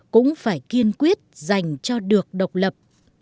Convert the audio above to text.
cũng phải kiên quyết dành cho được độc lập